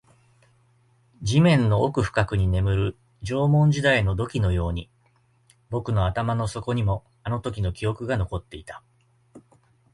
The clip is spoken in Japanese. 地面の奥深くに眠る縄文時代の土器のように、僕の頭の底にもあのときの記憶が残っていた